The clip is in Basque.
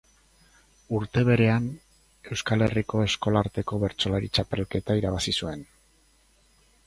Urte berean Euskal Herriko Eskolarteko Bertsolari Txapelketa irabazi zuen.